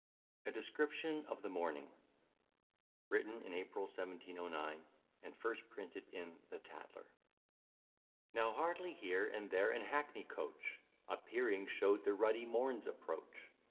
A DESCRIPTION OF THE MORNING WRITTEN IN APRIL 1709, AND FIRST PRINTED IN "THE TATLER" Now hardly here and there an hackney coach Appearing, show'd the ruddy morn's approach.